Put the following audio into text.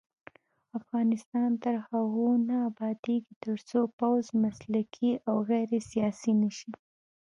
افغانستان تر هغو نه ابادیږي، ترڅو پوځ مسلکي او غیر سیاسي نشي.